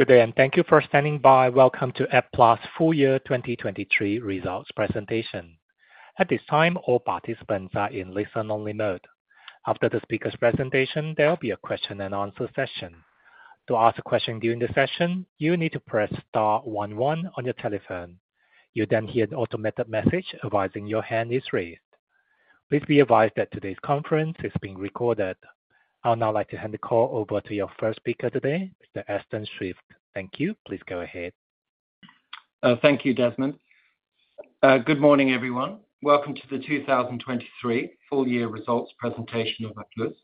Good day, and thank you for standing by. Welcome to Applus+ full year 2023 results presentation. At this time, all participants are in listen-only mode. After the speaker's presentation, there will be a question and answer session. To ask a question during the session, you need to press star one one on your telephone. You'll then hear an automated message advising your hand is raised. Please be advised that today's conference is being recorded. I'd now like to hand the call over to your first speaker today, Mr. Aston Swift. Thank you. Please go ahead. Thank you, Desmond. Good morning, everyone. Welcome to the 2023 full year results presentation of Applus+.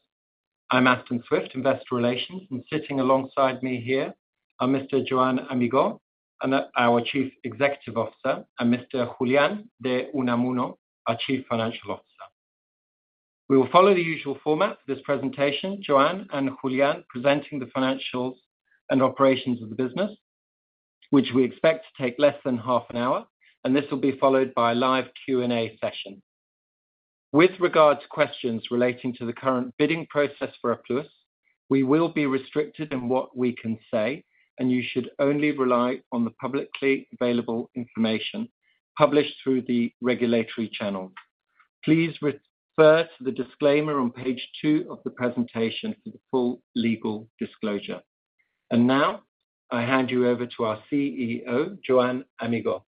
I'm Aston Swift, Investor Relations, and sitting alongside me here are Mr. Joan Amigó, our Chief Executive Officer, and Mr. Julián de Unamuno, our Chief Financial Officer. We will follow the usual format for this presentation, Joan and Julián presenting the financials and operations of the business, which we expect to take less than half an hour, and this will be followed by a live Q&A session. With regards to questions relating to the current bidding process for Applus+, we will be restricted in what we can say, and you should only rely on the publicly available information published through the regulatory channel. Please refer to the disclaimer on page two of the presentation for the full legal disclosure. Now, I hand you over to our CEO, Joan Amigó.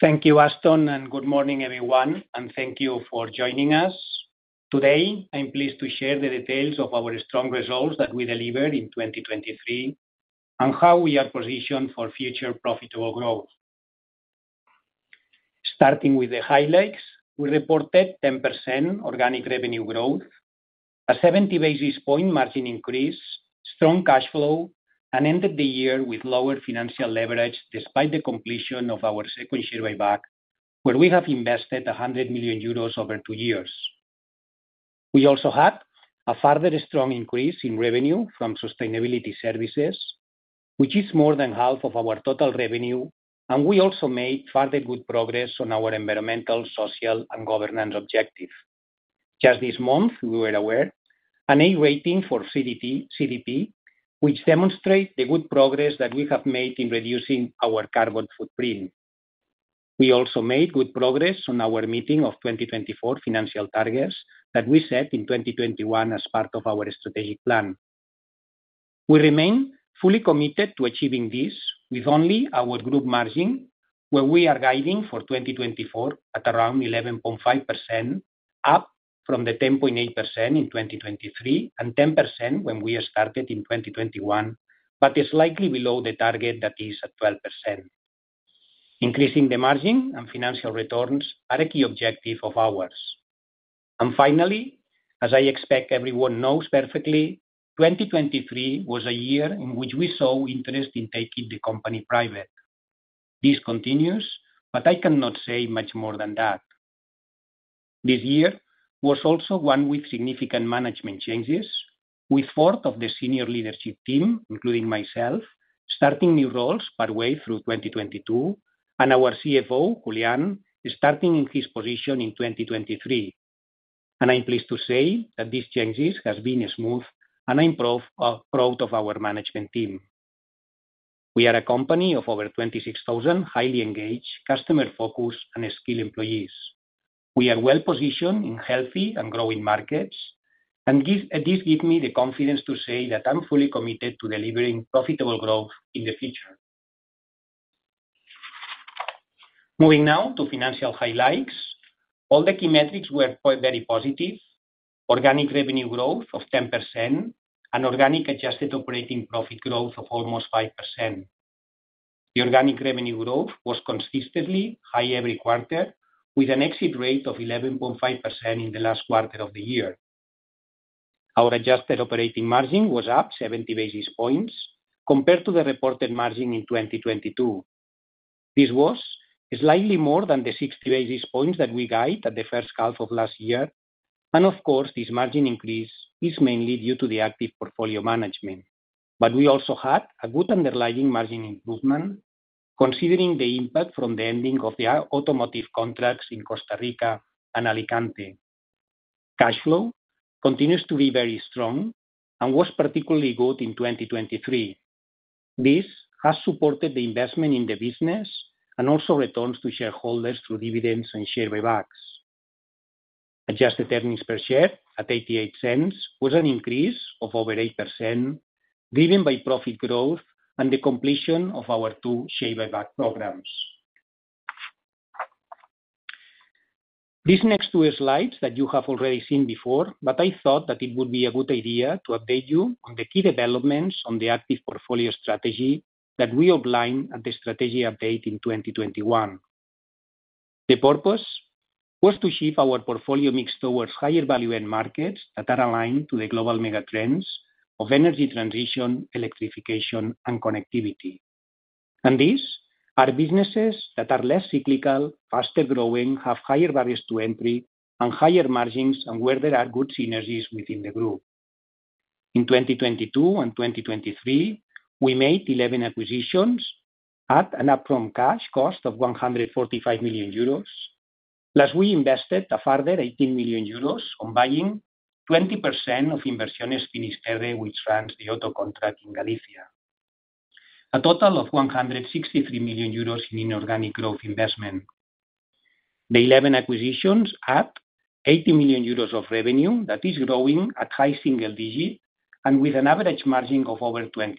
Thank you, Aston, and good morning, everyone, and thank you for joining us. Today, I'm pleased to share the details of our strong results that we delivered in 2023, and how we are positioned for future profitable growth. Starting with the highlights, we reported 10% organic revenue growth, a 70 basis point margin increase, strong cash flow, and ended the year with lower financial leverage despite the completion of our second share buyback, where we have invested 100 million euros over two years. We also had a further strong increase in revenue from sustainability services, which is more than half of our total revenue, and we also made further good progress on our environmental, social, and governance objective. Just this month, we were awarded an A rating for CDP, which demonstrate the good progress that we have made in reducing our carbon footprint. We also made good progress on our meeting of 2024 financial targets that we set in 2021 as part of our strategic plan. We remain fully committed to achieving this, with only our group margin, where we are guiding for 2024 at around 11.5%, up from the 10.8% in 2023, and 10% when we started in 2021, but is slightly below the target that is at 12%. Increasing the margin and financial returns are a key objective of ours. Finally, as I expect everyone knows perfectly, 2023 was a year in which we saw interest in taking the company private. This continues, but I cannot say much more than that. This year was also one with significant management changes, with four of the senior leadership team, including myself, starting new roles partway through 2022, and our CFO, Julián, starting in his position in 2023. I'm pleased to say that these changes have been smooth, and I'm proud of our management team. We are a company of over 26,000 highly engaged, customer-focused, and skilled employees. We are well positioned in healthy and growing markets, and this gives me the confidence to say that I'm fully committed to delivering profitable growth in the future. Moving now to financial highlights. All the key metrics were quite very positive. Organic revenue growth of 10% and organic adjusted operating profit growth of almost 5%. The organic revenue growth was consistently high every quarter, with an exit rate of 11.5% in the last quarter of the year. Our adjusted operating margin was up 70 basis points compared to the reported margin in 2022. This was slightly more than the 60 basis points that we guide at the first half of last year, and of course, this margin increase is mainly due to the active portfolio management. We also had a good underlying margin improvement, considering the impact from the ending of the Automotive contracts in Costa Rica and Alicante. Cash flow continues to be very strong and was particularly good in 2023. This has supported the investment in the business and also returns to shareholders through dividends and share buybacks. Adjusted earnings per share at 0.88 was an increase of over 8%, driven by profit growth and the completion of our two share buyback programs. These next two slides that you have already seen before, but I thought that it would be a good idea to update you on the key developments on the active portfolio strategy that we outlined at the strategy update in 2021. The purpose was to shift our portfolio mix towards higher value-end markets that are aligned to the global mega trends of energy transition, electrification, and connectivity. These are businesses that are less cyclical, faster growing, have higher barriers to entry and higher margins, and where there are good synergies within the group. In 2022 and 2023, we made 11 acquisitions at an upfront cash cost of 145 million euros.... Last, we invested a further 18 million euros on buying 20% of Inversiones Finisterre, which runs the auto contract in Galicia. A total of 163 million euros in inorganic growth investment. The 11 acquisitions add 80 million euros of revenue that is growing at high single digit, and with an average margin of over 20%.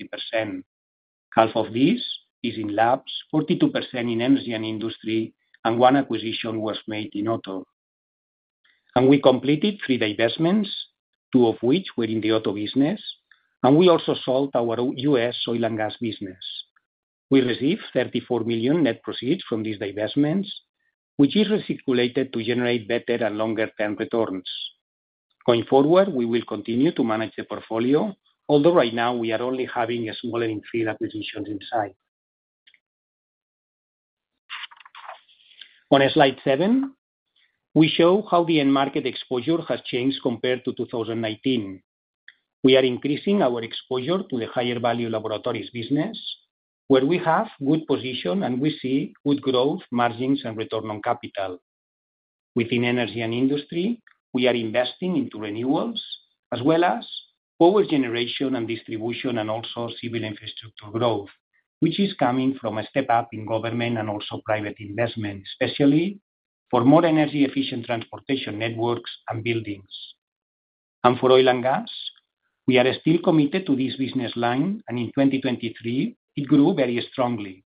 Half of this is in Labs, 42% in Energy & Industry, and one acquisition was made in auto. We completed three divestments, two of which were in the auto business, and we also sold our own U.S. Oil & Gas business. We received 34 million net proceeds from these divestments, which is recirculated to generate better and longer-term returns. Going forward, we will continue to manage the portfolio, although right now we are only having a smaller in three acquisitions in sight. On slide seven, we show how the end market exposure has changed compared to 2019. We are increasing our exposure to the higher value laboratories business, where we have good position and we see good growth, margins, and return on capital. Within Energy & Industry, we are investing into renewables, as well as power generation and distribution, and also civil infrastructure growth, which is coming from a step up in government and also private investment, especially for more energy efficient transportation networks and buildings. And for Oil & Gas, we are still committed to this business line, and in 2023, it grew very strongly.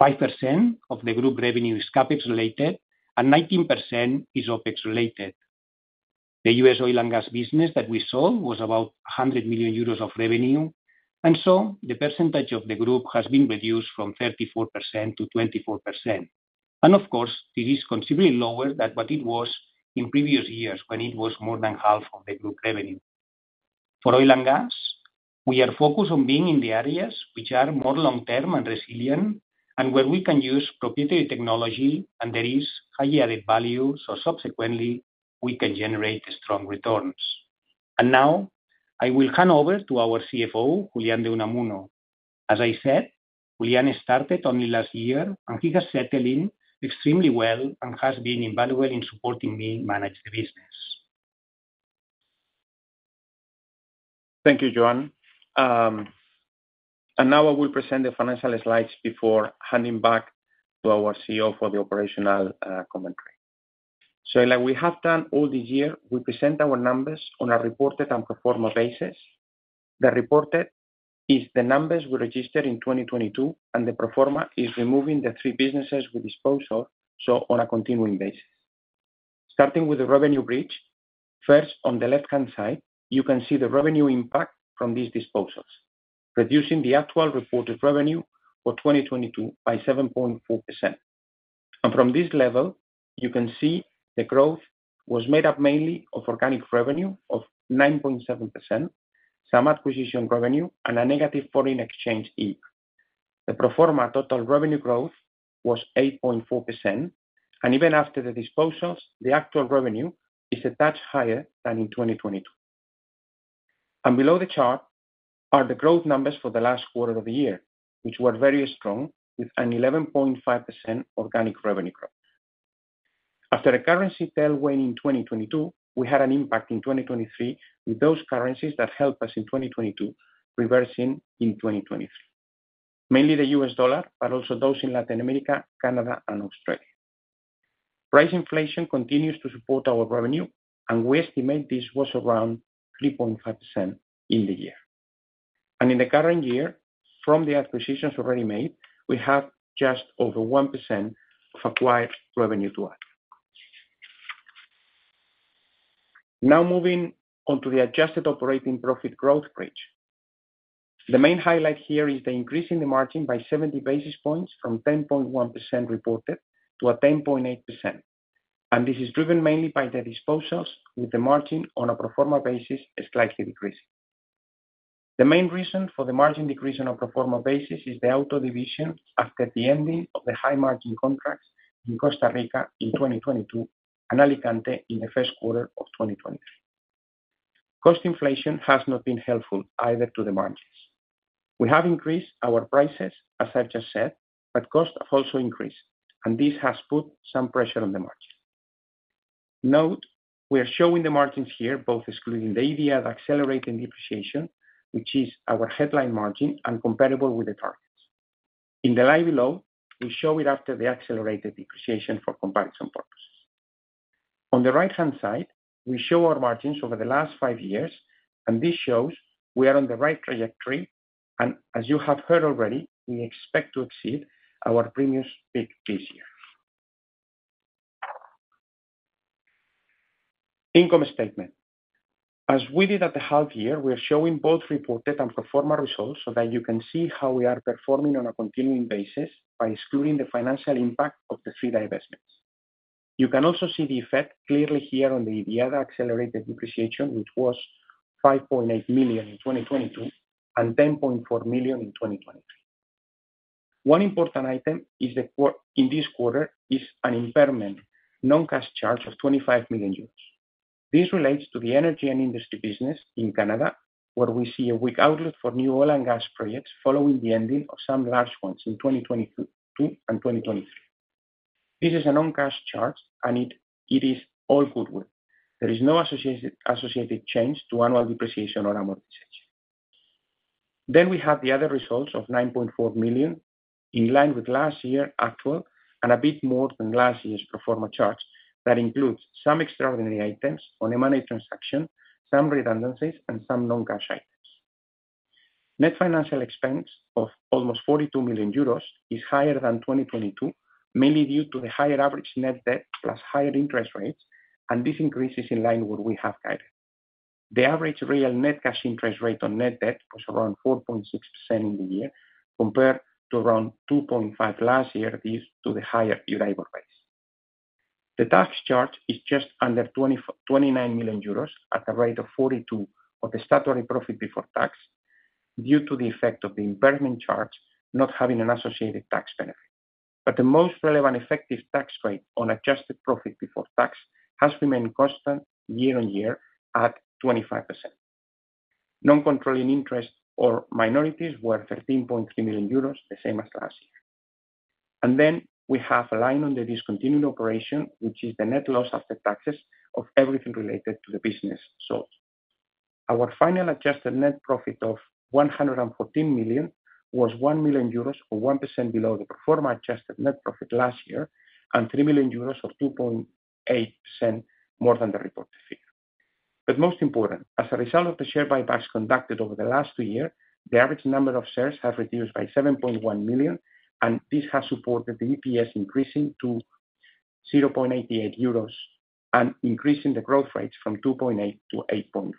5% of the group revenue is CapEx related, and 19% is OpEx related. The U.S. Oil & Gas business that we sold was about 100 million euros of revenue, and so the percentage of the group has been reduced from 34%-24%. Of course, it is considerably lower than what it was in previous years, when it was more than half of the group revenue. For Oil & Gas, we are focused on being in the areas which are more long-term and resilient, and where we can use proprietary technology and there is high added value, so subsequently, we can generate strong returns. Now, I will hand over to our CFO, Julián de Unamuno. As I said, Julián started only last year, and he has settled in extremely well and has been invaluable in supporting me manage the business. Thank you, Joan. And now I will present the financial slides before handing back to our CEO for the operational commentary. So like we have done all this year, we present our numbers on a reported and pro forma basis. The reported is the numbers we registered in 2022, and the pro forma is removing the three businesses with disposal, so on a continuing basis. Starting with the revenue bridge, first, on the left-hand side, you can see the revenue impact from these disposals, reducing the actual reported revenue for 2022 by 7.4%. And from this level, you can see the growth was made up mainly of organic revenue of 9.7%, some acquisition revenue, and a negative foreign exchange impact. The pro forma total revenue growth was 8.4%, and even after the disposals, the actual revenue is a touch higher than in 2022. Below the chart are the growth numbers for the last quarter of the year, which were very strong, with an 11.5% organic revenue growth. After a currency tailwind in 2022, we had an impact in 2023, with those currencies that helped us in 2022 reversing in 2023. Mainly the U.S. dollar, but also those in Latin America, Canada, and Australia. Price inflation continues to support our revenue, and we estimate this was around 3.5% in the year. In the current year, from the acquisitions already made, we have just over 1% of acquired revenue to add. Now, moving on to the adjusted operating profit growth bridge. The main highlight here is the increase in the margin by 70 basis points, from 10.1% reported to a 10.8%. This is driven mainly by the disposals, with the margin on a pro forma basis slightly decreasing. The main reason for the margin decrease on a pro forma basis is the auto division after the ending of the high margin contracts in Costa Rica in 2022, and Alicante in the first quarter of 2023. Cost inflation has not been helpful either to the margins. We have increased our prices, as I've just said, but costs have also increased, and this has put some pressure on the margin. Note, we are showing the margins here, both excluding the EBITDA accelerated depreciation, which is our headline margin and comparable with the targets. In the line below, we show it after the accelerated depreciation for comparison purpose. On the right-hand side, we show our margins over the last five years, and this shows we are on the right trajectory, and as you have heard already, we expect to exceed our previous peak this year. Income statement. As we did at the half year, we are showing both reported and pro forma results, so that you can see how we are performing on a continuing basis by excluding the financial impact of the three divestments. You can also see the effect clearly here on the EBITDA accelerated depreciation, which was 5.8 million in 2022, and 10.4 million in 2023. One important item in this quarter is an impairment, non-cash charge of 25 million euros. This relates to the Energy & Industry business in Canada, where we see a weak outlook for new Oil & Gas projects following the ending of some large ones in 2022 and 2023. This is a non-cash charge, and it is all goodwill. There is no associated change to annual depreciation or amortization. Then we have the other results of 9.4 million, in line with last year actual, and a bit more than last year's pro forma charts. That includes some extraordinary items on M&A transaction, some redundancies, and some non-cash items. Net financial expense of almost 42 million euros is higher than 2022, mainly due to the higher average net debt plus higher interest rates, and this increase is in line with what we have guided. The average real net cash interest rate on net debt was around 4.6% in the year, compared to around 2.5% last year, this to the higher Euribor base. The tax charge is just under 29 million euros at a rate of 42% of the statutory profit before tax, due to the effect of the impairment charge not having an associated tax benefit. But the most relevant effective tax rate on adjusted profit before tax has remained constant year-over-year at 25%. Non-controlling interest or minorities were 13.3 million euros, the same as last year. And then we have a line on the discontinued operation, which is the net loss after taxes of everything related to the business sold. Our final adjusted net profit of 114 million was 1 million euros, or 1% below the pro forma adjusted net profit last year, and 3 million euros or 2.8% more than the reported figure. But most important, as a result of the share buybacks conducted over the last 2 year, the average number of shares have reduced by 7.1 million, and this has supported the EPS increasing to 0.88 euros, and increasing the growth rates from 2.8%-8.4%.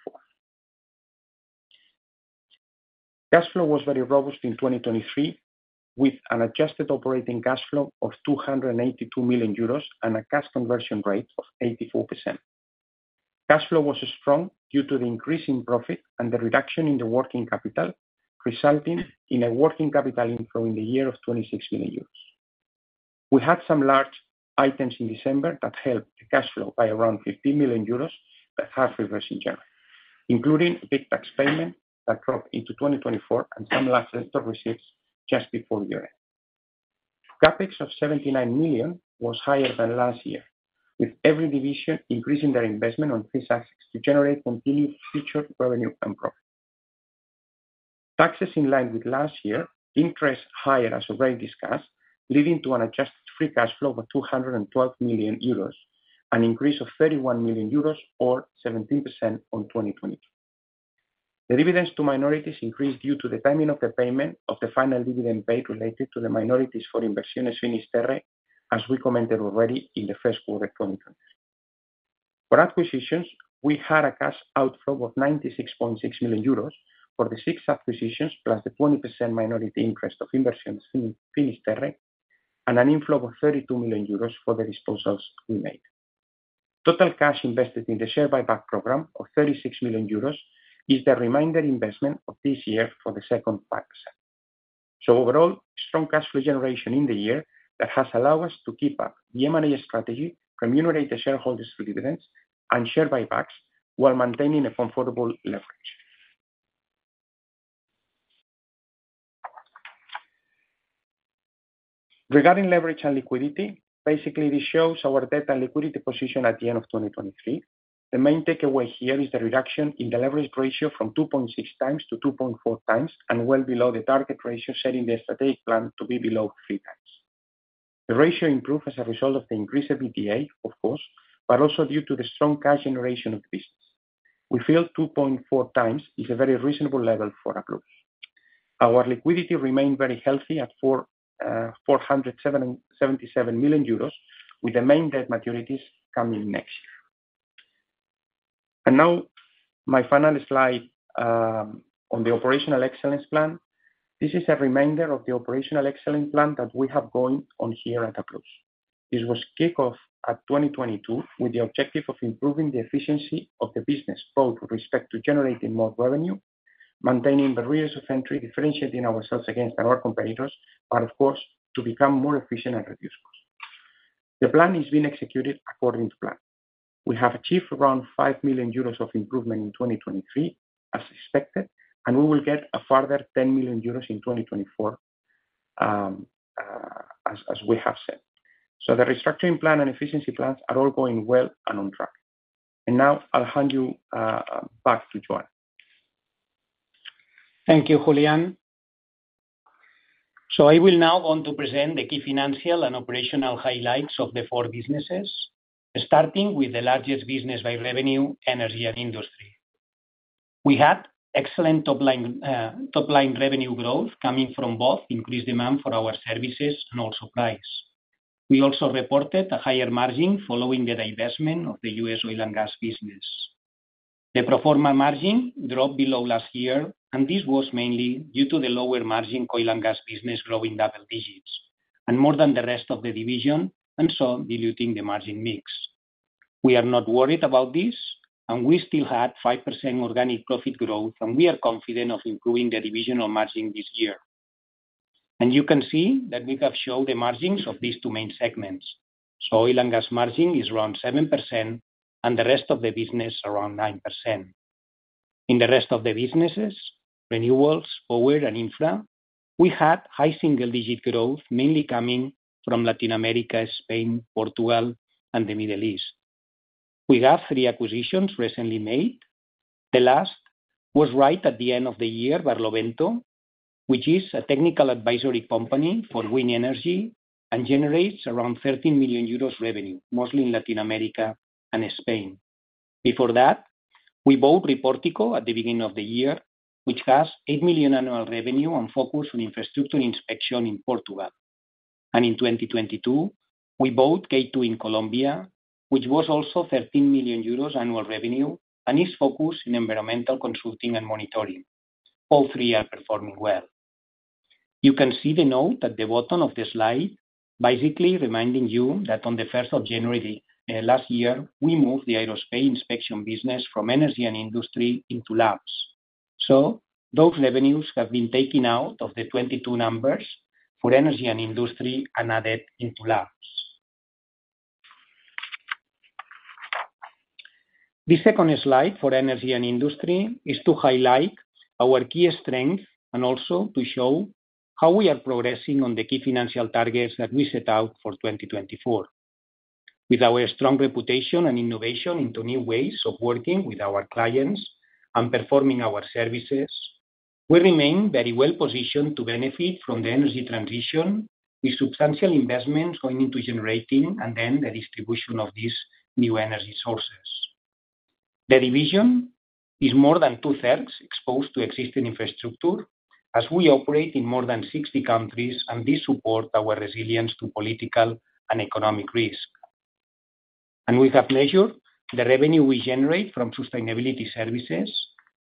Cash flow was very robust in 2023, with an adjusted operating cash flow of 282 million euros and a cash conversion rate of 84%. Cash flow was strong due to the increase in profit and the reduction in the working capital, resulting in a working capital inflow in the year of 26 million euros. We had some large items in December that helped the cash flow by around 15 million euros that have reversed in January, including a big tax payment that dropped into 2024 and some last-minute stock receipts just before year end. CapEx of 79 million was higher than last year, with every division increasing their investment on these assets to generate continued future revenue and profit. Taxes in line with last year, interest higher, as already discussed, leading to an adjusted free cash flow of 212 million euros, an increase of 31 million euros or 17% on 2022. The dividends to minorities increased due to the timing of the payment of the final dividend paid related to the minorities for Inversiones Finisterre, as we commented already in the first quarter 2023. For acquisitions, we had a cash outflow of 96.6 million euros for the six acquisitions, plus the 20% minority interest of Inversiones Finisterre, and an inflow of 32 million euros for the disposals we made. Total cash invested in the share buyback program of 36 million euros is the remainder investment of this year for the second packet. So overall, strong cash flow generation in the year that has allowed us to keep up the M&A strategy, remunerate the shareholders' dividends, and share buybacks while maintaining a comfortable leverage. Regarding leverage and liquidity, basically, this shows our debt and liquidity position at the end of 2023. The main takeaway here is the reduction in the leverage ratio from 2.6x-2.4x, and well below the target ratio set in the strategic plan to be below 3x. The ratio improved as a result of the increase of EBITDA, of course, but also due to the strong cash generation of the business. We feel 2.4x is a very reasonable level for Applus+. Our liquidity remained very healthy at 477 million euros, with the main debt maturities coming next year. And now, my final slide, on the operational excellence plan. This is a reminder of the operational excellence plan that we have going on here at Applus+. This was kicked off at 2022 with the objective of improving the efficiency of the business, both with respect to generating more revenue, maintaining the barriers of entry, differentiating ourselves against our competitors, but of course, to become more efficient and reduce costs. The plan is being executed according to plan. We have achieved around 5 million euros of improvement in 2023, as expected, and we will get a further 10 million euros in 2024, as we have said. So the restructuring plan and efficiency plans are all going well and on track. And now I'll hand you back to Joan. Thank you, Julián. I will now want to present the key financial and operational highlights of the four businesses, starting with the largest business by revenue, Energy & Industry. We had excellent top line, top line revenue growth coming from both increased demand for our services and also price. We also reported a higher margin following the divestment of the U.S. Oil & Gas business. The pro forma margin dropped below last year, and this was mainly due to the lower margin Oil & Gas business growing double digits and more than the rest of the division, and so diluting the margin mix. We are not worried about this, and we still had 5% organic profit growth, and we are confident of improving the divisional margin this year, and you can see that we have shown the margins of these two main segments. So Oil & Gas margin is around 7%, and the rest of the business, around 9%. In the rest of the businesses, Renewables, Power & Infra, we had high single-digit growth, mainly coming from Latin America, Spain, Portugal, and the Middle East. We have three acquisitions recently made. The last was right at the end of the year, Barlovento, which is a technical advisory company for wind energy, and generates around 13 million euros revenue, mostly in Latin America and Spain. Before that, we bought Riportico at the beginning of the year, which has 8 million annual revenue and focus on infrastructure inspection in Portugal. And in 2022, we bought K2 in Colombia, which was also 13 million euros annual revenue, and is focused in environmental consulting and monitoring. All three are performing well. You can see the note at the bottom of the slide, basically reminding you that on the first of January last year, we moved the aerospace inspection business from Energy & Industry into Labs. So those revenues have been taken out of the 2022 numbers for Energy & Industry and added into Labs. This second slide for Energy & Industry is to highlight our key strength, and also to show how we are progressing on the key financial targets that we set out for 2024. With our strong reputation and innovation into new ways of working with our clients and performing our services, we remain very well positioned to benefit from the energy transition, with substantial investments going into generating and then the distribution of these new energy sources. The division is more than 2/3 exposed to existing infrastructure, as we operate in more than 60 countries, and this support our resilience to political and economic risk. We have measured the revenue we generate from sustainability services,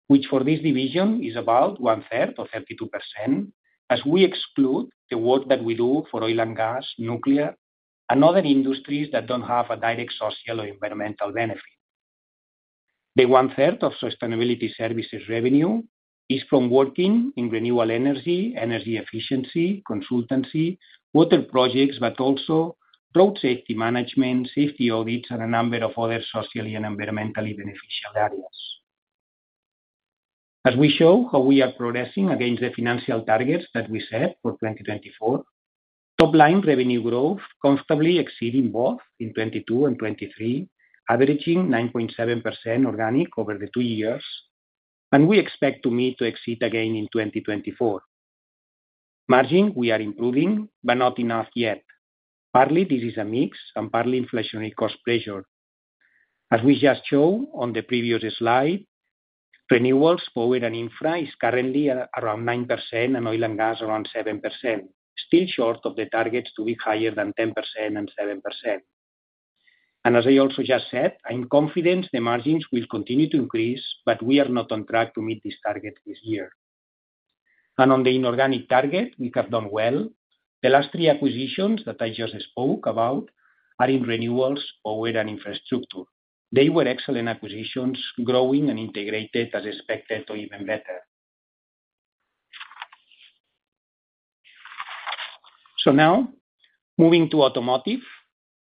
which for this division is about 1/3, or 32%, as we exclude the work that we do for Oil & Gas, nuclear, and other industries that don't have a direct social or environmental benefit. The 1/3 of sustainability services revenue is from working in renewable energy, energy efficiency, consultancy, water projects, but also road safety management, safety audits, and a number of other socially and environmentally beneficial areas. As we show how we are progressing against the financial targets that we set for 2024, top-line revenue growth comfortably exceeding both in '22 and '23, averaging 9.7% organic over the two years, and we expect to meet to exceed again in 2024. Margin, we are improving, but not enough yet. Partly, this is a mix, and partly inflationary cost pressure. As we just showed on the previous slide, Renewables, Power & Infra is currently around 9%, and Oil & Gas, around 7%, still short of the targets to be higher than 10% and 7%. And as I also just said, I'm confident the margins will continue to increase, but we are not on track to meet this target this year. And on the inorganic target, we have done well. The last three acquisitions that I just spoke about are in Renewables, Power & Infrastructure. They were excellent acquisitions, growing and integrated as expected or even better. So now, moving to Automotive,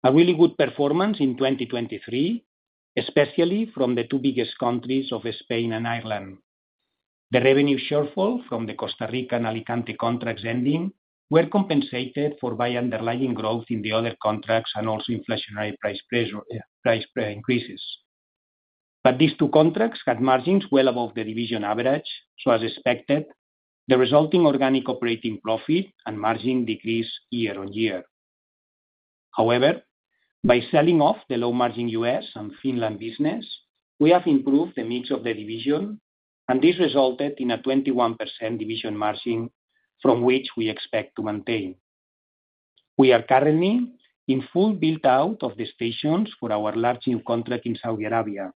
a really good performance in 2023, especially from the two biggest countries of Spain and Ireland. The revenue shortfall from the Costa Rica and Alicante contracts ending were compensated for by underlying growth in the other contracts, and also inflationary price increases. But these two contracts had margins well above the division average, so as expected, the resulting organic operating profit and margin decreased year-on-year. However, by selling off the low-margin U.S. and Finland business, we have improved the mix of the division, and this resulted in a 21% division margin from which we expect to maintain. We are currently in full build-out of the stations for our large new contract in Saudi Arabia,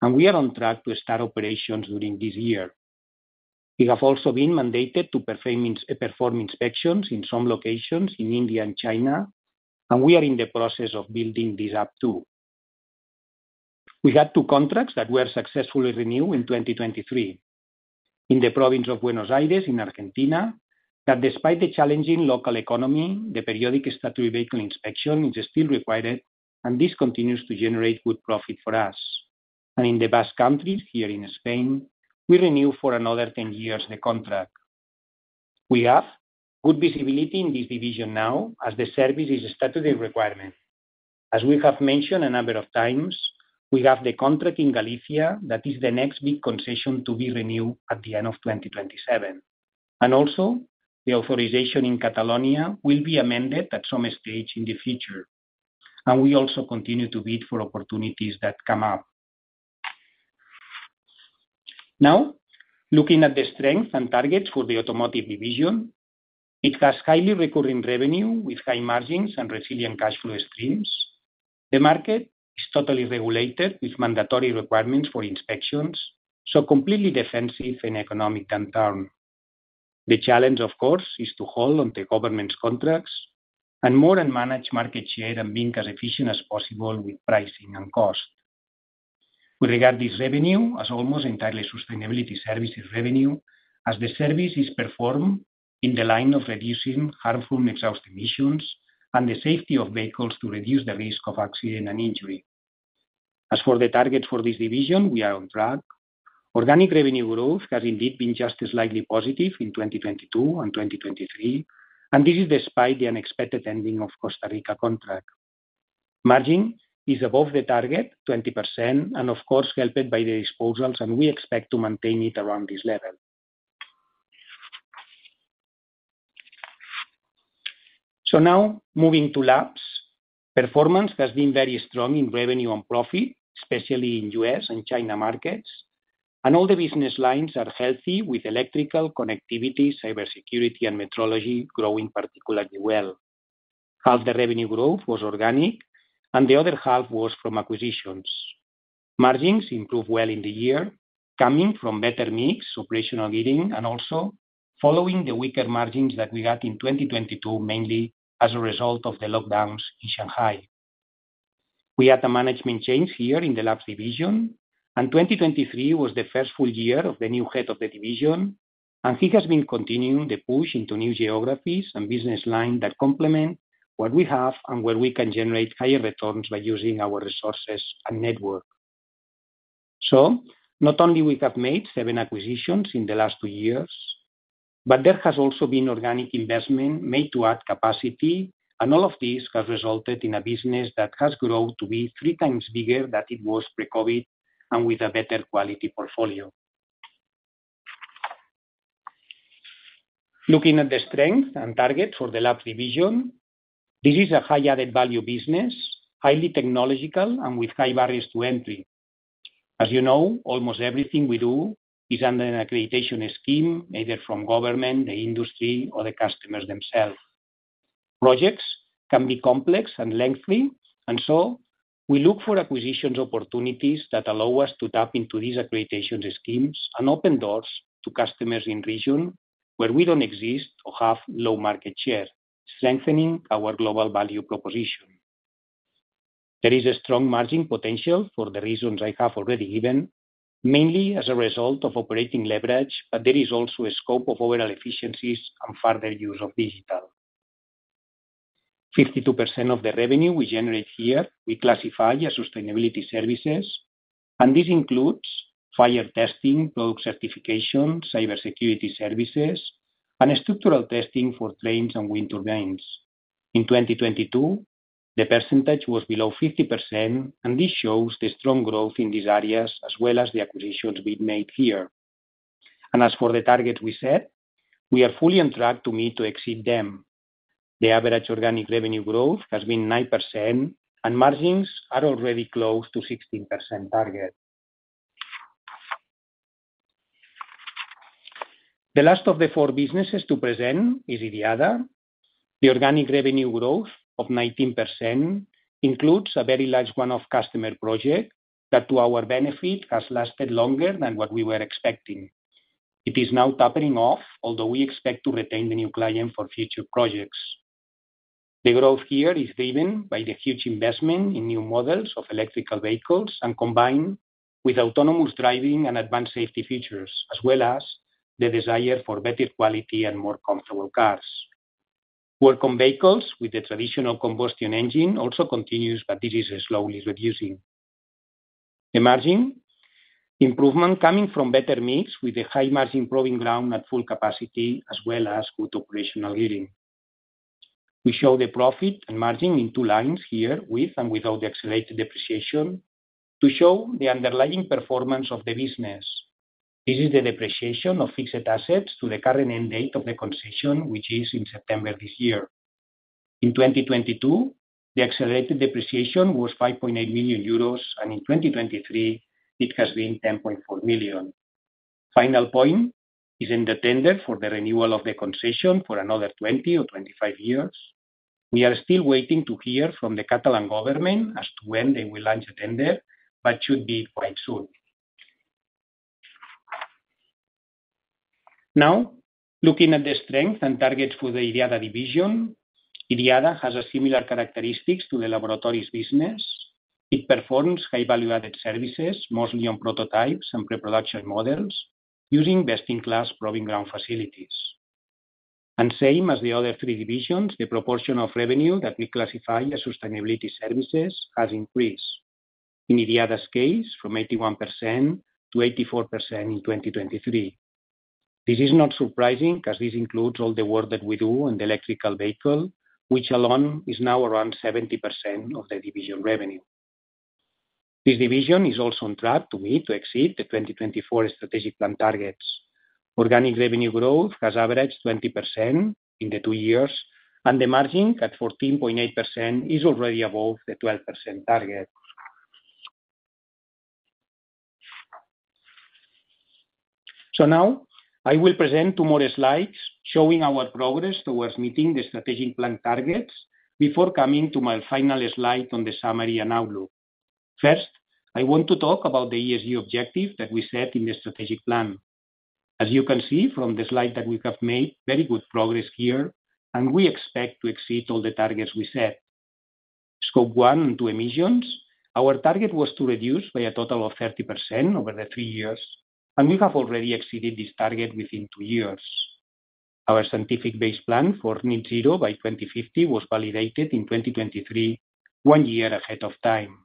and we are on track to start operations during this year. We have also been mandated to perform inspections in some locations in India and China, and we are in the process of building this up, too. We had two contracts that were successfully renewed in 2023. In the province of Buenos Aires, in Argentina, that despite the challenging local economy, the periodic statutory vehicle inspection is still required, and this continues to generate good profit for us. In the Basque Country, here in Spain, we renew for another 10 years the contract. We have good visibility in this division now, as the service is a statutory requirement. As we have mentioned a number of times, we have the contract in Galicia that is the next big concession to be renewed at the end of 2027. Also, the authorization in Catalonia will be amended at some stage in the future, and we also continue to bid for opportunities that come up. Now, looking at the strength and targets for the Automotive division, it has highly recurring revenue, with high margins and resilient cash flow streams. The market is totally regulated, with mandatory requirements for inspections, so completely defensive in economic downturn. The challenge, of course, is to hold on to government's contracts, and more and manage market share, and being as efficient as possible with pricing and cost. We regard this revenue as almost entirely sustainability services revenue, as the service is performed in the line of reducing harmful exhaust emissions and the safety of vehicles to reduce the risk of accident and injury. As for the target for this division, we are on track. Organic revenue growth has indeed been just slightly positive in 2022 and 2023, and this is despite the unexpected ending of Costa Rica contract. Margin is above the target, 20%, and of course, helped by the disposals, and we expect to maintain it around this level. So now, moving to Labs. Performance has been very strong in revenue and profit, especially in U.S. and China markets, and all the business lines are healthy, with electrical, connectivity, cybersecurity, and metrology growing particularly well. Half the revenue growth was organic, and the other half was from acquisitions. Margins improved well in the year, coming from better mix, operational leveraging, and also following the weaker margins that we had in 2022, mainly as a result of the lockdowns in Shanghai. We had a management change here in the Labs division, and 2023 was the first full year of the new head of the division, and he has been continuing the push into new geographies and business line that complement what we have and where we can generate higher returns by using our resources and network. So, not only we have made seven acquisitions in the last two years, but there has also been organic investment made to add capacity, and all of this has resulted in a business that has grown to be three times bigger than it was pre-COVID, and with a better quality portfolio. Looking at the strength and target for the Labs division, this is a high added value business, highly technological, and with high barriers to entry. As you know, almost everything we do is under an accreditation scheme, either from government, the industry, or the customers themselves. Projects can be complex and lengthy, and so we look for acquisitions opportunities that allow us to tap into these accreditation schemes, and open doors to customers in region where we don't exist or have low market share, strengthening our global value proposition. There is a strong margin potential for the reasons I have already given, mainly as a result of operating leverage, but there is also a scope of overall efficiencies and further use of digital. 52% of the revenue we generate here, we classify as sustainability services, and this includes fire testing, product certification, cybersecurity services, and structural testing for trains and wind turbines. In 2022, the percentage was below 50%, and this shows the strong growth in these areas, as well as the acquisitions we've made here. As for the targets we set, we are fully on track to meet to exceed them. The average organic revenue growth has been 9%, and margins are already close to 16% target. The last of the four businesses to present is IDIADA. The organic revenue growth of 19% includes a very large one-off customer project, that to our benefit, has lasted longer than what we were expecting. It is now tapering off, although we expect to retain the new client for future projects. The growth here is driven by the huge investment in new models of electrical vehicles, and combined with autonomous driving and advanced safety features, as well as the desire for better quality and more comfortable cars. Work on vehicles with the traditional combustion engine also continues, but this is slowly reducing. The margin improvement coming from better mix with the high margin proving ground at full capacity, as well as good operational leverage. We show the profit and margin in two lines here, with and without the accelerated depreciation, to show the underlying performance of the business. This is the depreciation of fixed assets to the current end date of the concession, which is in September this year. In 2022, the accelerated depreciation was 5.8 million euros, and in 2023, it has been 10.4 million. Final point is in the tender for the renewal of the concession for another 20 years or 25 years. We are still waiting to hear from the Catalan government as to when they will launch a tender, but should be quite soon. Now, looking at the strength and targets for the IDIADA division, IDIADA has a similar characteristics to the laboratories business. It performs high value-added services, mostly on prototypes and pre-production models, using best-in-class proving ground facilities. And same as the other three divisions, the proportion of revenue that we classify as sustainability services has increased. In IDIADA's case, from 81%-84% in 2023. This is not surprising, because this includes all the work that we do on the electric vehicle, which alone is now around 70% of the division revenue. This division is also on track to meet to exceed the 2024 strategic plan targets. Organic revenue growth has averaged 20% in the 2 years, and the margin, at 14.8%, is already above the 12% target. So now, I will present 2 more slides showing our progress towards meeting the strategic plan targets, before coming to my final slide on the summary and outlook. First, I want to talk about the ESG objective that we set in the strategic plan. As you can see from the slide that we have made very good progress here, and we expect to exceed all the targets we set. Scope 1 and 2 emissions, our target was to reduce by a total of 30% over the 3 years, and we have already exceeded this target within 2 years. Our science-based plan for net zero by 2050 was validated in 2023, 1 year ahead of time.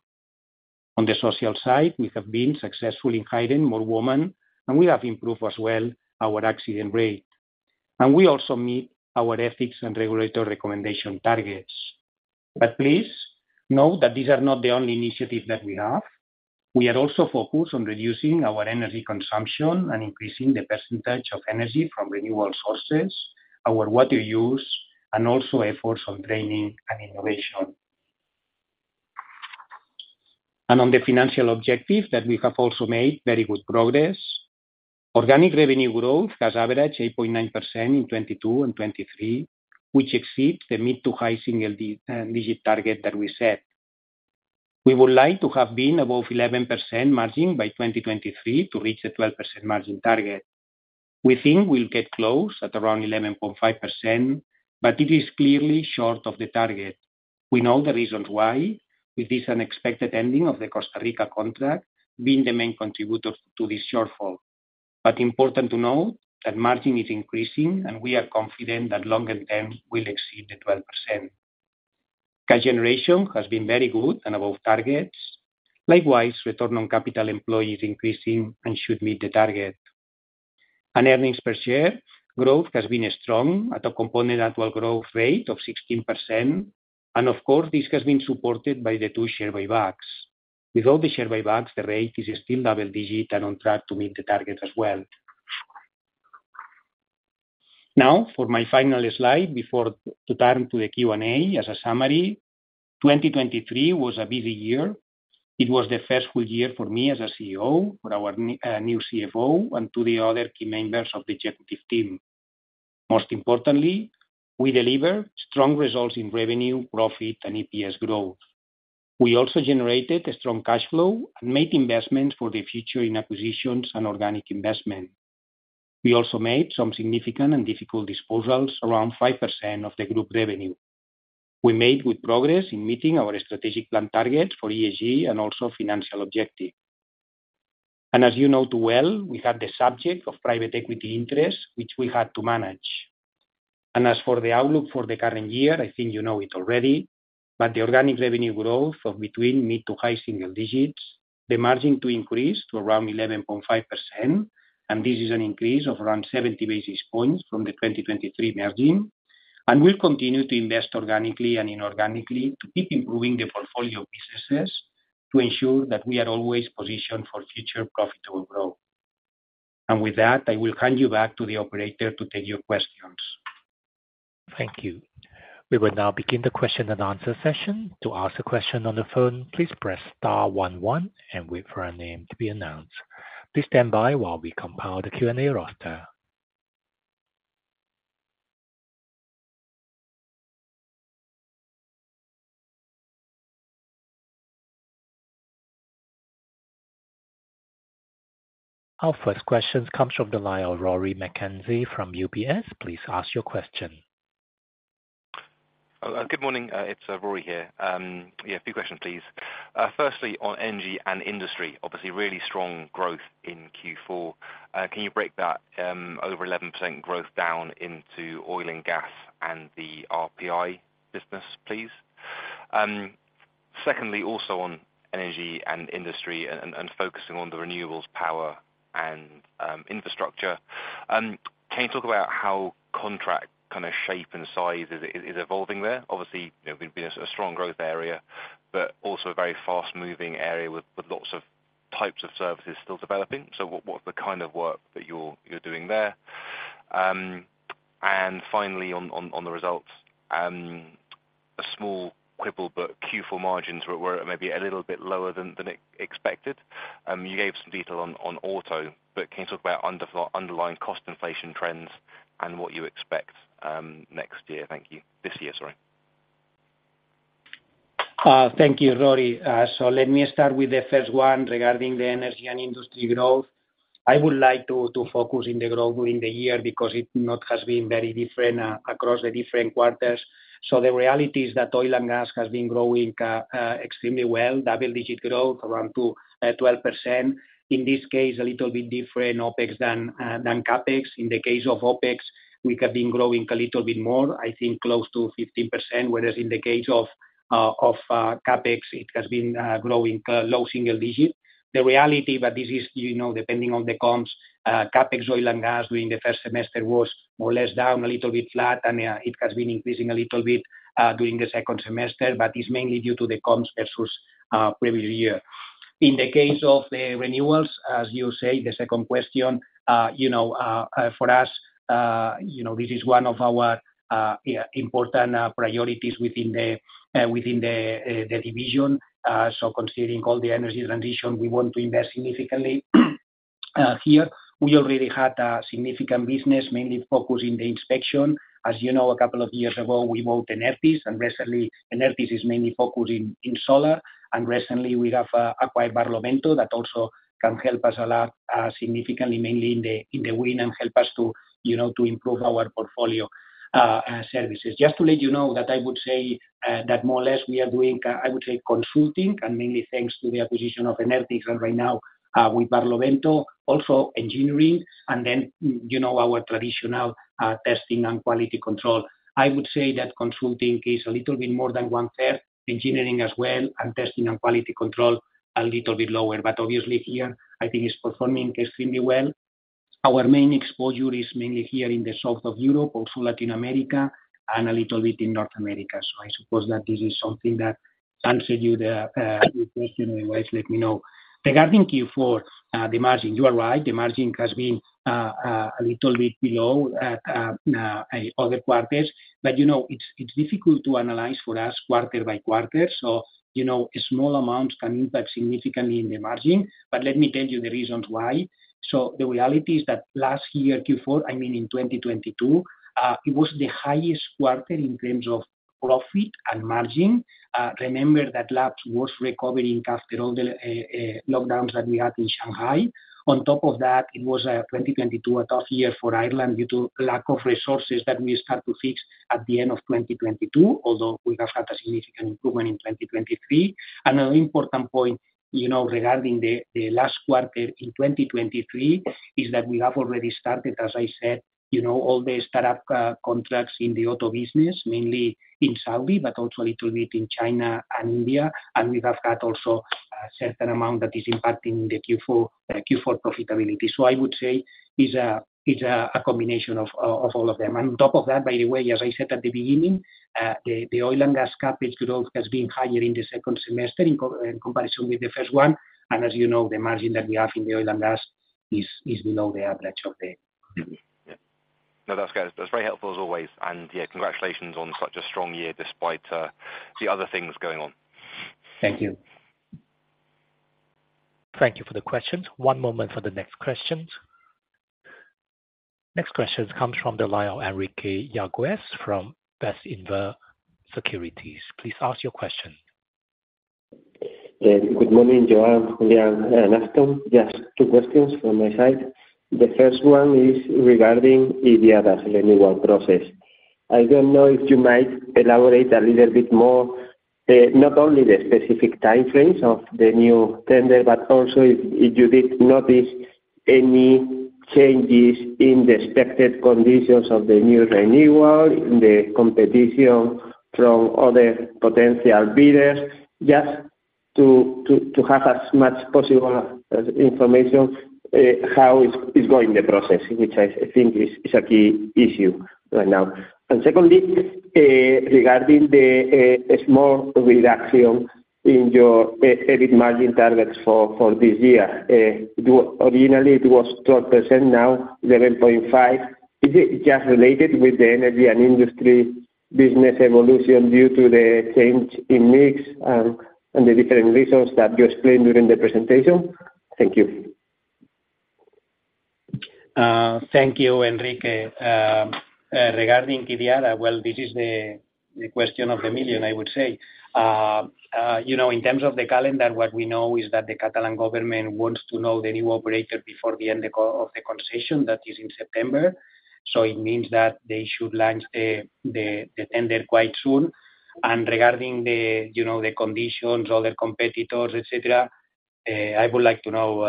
On the social side, we have been successful in hiring more women, and we have improved as well our accident rate. We also meet our ethics and regulatory recommendation targets. But please note that these are not the only initiatives that we have. We are also focused on reducing our energy consumption and increasing the percentage of energy from renewable sources, our water use, and also efforts on training and innovation. On the financial objective, that we have also made very good progress. Organic revenue growth has averaged 8.9% in 2022 and 2023, which exceeds the mid- to high-single-digit target that we set. We would like to have been above 11% margin by 2023 to reach the 12% margin target. We think we'll get close, at around 11.5%, but it is clearly short of the target. We know the reasons why, with this unexpected ending of the Costa Rica contract being the main contributor to this shortfall. But important to note that margin is increasing, and we are confident that longer term we'll exceed the 12%. Cash generation has been very good and above targets. Likewise, return on capital employed is increasing and should meet the target. And earnings per share growth has been strong, at a compound annual growth rate of 16%, and of course, this has been supported by the two share buybacks. Without the share buybacks, the rate is still double digit and on track to meet the target as well. Now, for my final slide before to turn to the Q&A. As a summary, 2023 was a busy year. It was the first full year for me as a CEO, for our new CFO, and to the other key members of the executive team. Most importantly, we delivered strong results in revenue, profit, and EPS growth. We also generated a strong cash flow and made investments for the future in acquisitions and organic investment. We also made some significant and difficult disposals, around 5% of the group revenue. We made good progress in meeting our strategic plan targets for ESG and also financial objective. As you know too well, we had the subject of private equity interest, which we had to manage. As for the outlook for the current year, I think you know it already, but the organic revenue growth of between mid- to high-single digits, the margin to increase to around 11.5%, and this is an increase of around 70 basis points from the 2023 margin. We'll continue to invest organically and inorganically to keep improving the portfolio of businesses, to ensure that we are always positioned for future profitable growth. With that, I will hand you back to the operator to take your questions. Thank you. We will now begin the question and answer session. To ask a question on the phone, please press star one one and wait for your name to be announced. Please stand by while we compile the Q&A roster. Our first question comes from the line of Rory McKenzie from UBS. Please ask your question. Good morning, it's Rory here. Yeah, a few questions, please. Firstly, on Energy & Industry, obviously really strong growth in Q4. Can you break that, over 11% growth down into Oil & Gas and the RPI business, please? Secondly, also on Energy & Industry and, and focusing on the renewables power and infrastructure, can you talk about how contract kind of shape and size is, is evolving there? Obviously, you know, being a strong growth area, but also a very fast-moving area with, with lots of types of services still developing. So what's the kind of work that you're doing there? And finally, on the results, a small quibble, but Q4 margins were maybe a little bit lower than expected. You gave some detail on, on auto, but can you talk about underlying cost inflation trends and what you expect, next year? Thank you. This year, sorry. Thank you, Rory. So let me start with the first one regarding the Energy & Industry growth. I would like to focus in the growth during the year, because it not has been very different across the different quarters. So the reality is that Oil & Gas has been growing extremely well, double-digit growth, around 12%. In this case, a little bit different OpEx than than CapEx. In the case of OpEx, we have been growing a little bit more, I think close to 15%, whereas in the case of CapEx, it has been growing low single digits. The reality, but this is, you know, depending on the comps, CapEx, Oil & Gas during the first semester was more or less down, a little bit flat, and, it has been increasing a little bit, during the second semester, but it's mainly due to the comps versus, previous year. In the case of the renewals, as you say, the second question, you know, for us, you know, this is one of our, important, priorities within the, within the, the division. So considering all the energy transition, we want to invest significantly, here, we already had a significant business, mainly focused in the inspection. As you know, a couple of years ago, we bought Enertis, and recently, Enertis is mainly focused in, in solar. Recently we have acquired Barlovento, that also can help us a lot, significantly, mainly in the, in the wind, and help us to, you know, to improve our portfolio, services. Just to let you know that I would say that more or less we are doing, I would say consulting, and mainly thanks to the acquisition of Enertis, and right now, with Barlovento, also engineering, and then, you know, our traditional, testing and quality control. I would say that consulting is a little bit more than 1/3, engineering as well, and testing and quality control, a little bit lower. But obviously here, I think it's performing extremely well. Our main exposure is mainly here in the south of Europe, also Latin America, and a little bit in North America. So I suppose that this is something that answer you the, your question, otherwise, let me know. Regarding Q4, the margin, you are right, the margin has been, a little bit below, other quarters. But, you know, it's, it's difficult to analyze for us quarter by quarter. So, you know, a small amount can impact significantly in the margin. But let me tell you the reasons why. So the reality is that last year, Q4, I mean, in 2022, it was the highest quarter in terms of profit and margin. Remember that last was recovering after all the, lockdowns that we had in Shanghai. On top of that, it was 2022, a tough year for Ireland due to lack of resources that we start to fix at the end of 2022, although we have had a significant improvement in 2023. Another important point, you know, regarding the last quarter in 2023, is that we have already started, as I said, you know, all the startup contracts in the auto business, mainly in Saudi, but also a little bit in China and India. And we have had also a certain amount that is impacting the Q4 profitability. So I would say it's a combination of all of them. And on top of that, by the way, as I said at the beginning, the Oil & Gas CapEx growth has been higher in the second semester in comparison with the first one. And as you know, the margin that we have in the Oil & Gas is below the average of the year. Yeah. No, that's good. That's very helpful, as always. And yeah, congratulations on such a strong year despite the other things going on. Thank you. Thank you for the questions. One moment for the next questions. Next question comes from the line of Enrique Yáguez from Bestinver Securities. Please ask your question. Good morning, Joan, Julián, and Aston. Just two questions from my side. The first one is regarding IDIADA renewal process. I don't know if you might elaborate a little bit more, not only the specific timeframes of the new tender, but also if you did notice any changes in the expected conditions of the new renewal, in the competition from other potential bidders, just to have as much possible information how is going the process, which I think is a key issue right now. And secondly, regarding the small reduction in your EBIT margin targets for this year, it was originally 12%, now 11.5%. Is it just related with the Energy & Industry business evolution due to the change in mix, and the different reasons that you explained during the presentation? Thank you. Thank you, Enrique. Regarding IDIADA, well, this is the question of the million, I would say. You know, in terms of the calendar, what we know is that the Catalan government wants to know the new operator before the end of the concession, that is in September. So it means that they should launch the tender quite soon. Regarding the conditions, other competitors, et cetera, I would like to know,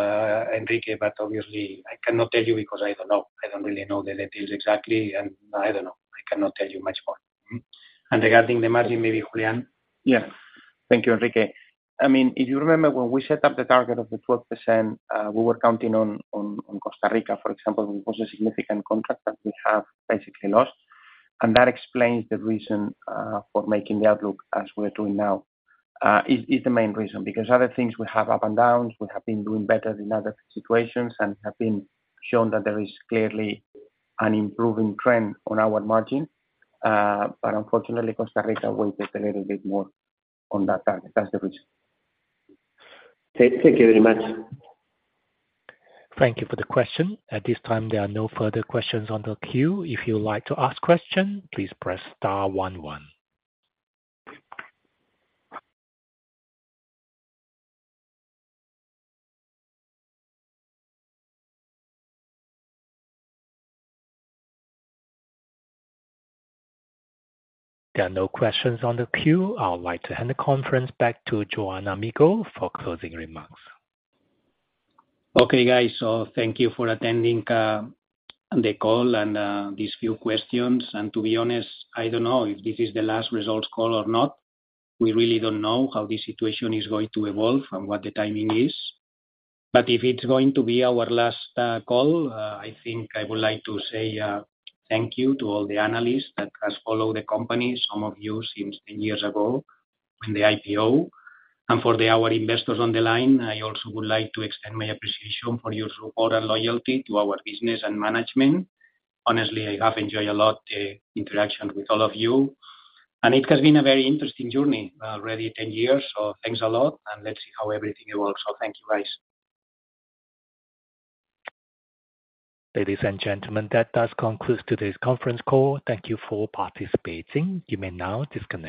Enrique, but obviously, I cannot tell you, because I don't know. I don't really know the details exactly, and I don't know. I cannot tell you much more. Regarding the margin, maybe Julián? Yeah. Thank you, Enrique. I mean, if you remember when we set up the target of the 12%, we were counting on Costa Rica, for example. It was a significant contract that we have basically lost. And that explains the reason for making the outlook as we are doing now. It is the main reason, because other things we have ups and downs, we have been doing better than other situations and have been shown that there is clearly an improving trend on our margin. But unfortunately, Costa Rica weighs a little bit more on that target. That's the reason. Thank you very much. Thank you for the question. At this time, there are no further questions on the queue. If you would like to ask question, please press star one one. There are no questions on the queue. I would like to hand the conference back to Joan Amigó for closing remarks. Okay, guys, so thank you for attending the call and these few questions. And to be honest, I don't know if this is the last results call or not. We really don't know how this situation is going to evolve and what the timing is. But if it's going to be our last call, I think I would like to say thank you to all the analysts that has followed the company, some of you since 10 years ago in the IPO. And for our investors on the line, I also would like to extend my appreciation for your support and loyalty to our business and management. Honestly, I have enjoyed a lot the interaction with all of you, and it has been a very interesting journey already 10 years. So thanks a lot, and let's see how everything evolves. Thank you, guys. Ladies and gentlemen, that does conclude today's conference call. Thank you for participating. You may now disconnect.